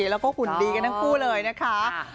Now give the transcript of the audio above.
แล้วก็หุ่นดีกันทั้งคู่เลยนะคะ